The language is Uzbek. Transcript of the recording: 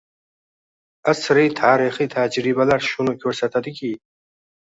Asriy tarixiy tajribalar shuni ko‘rsatadiki